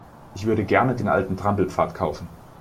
Ich würde gerne den alten Trampelpfad kaufen.